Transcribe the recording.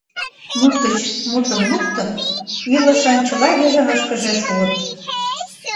Мут гыч мутым луктын, илышын чыла йыжыҥышкыже шуыт.